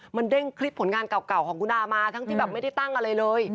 มันเด้งคลิปผลงานเก่าของคุณอามาทั้งที่แบบไม่ได้ตั้งอะไรเลย